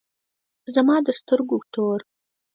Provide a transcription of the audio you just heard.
زما د سترگو تور